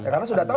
karena sudah tahu